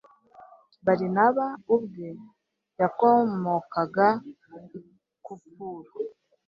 Barinaba ubwe yakomokaga i Kupuro,